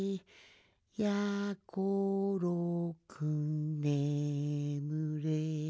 「やころくんねむれ」